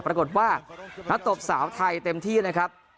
ปรากฏว่านักตบสาวไทยเต็มที่นะครับ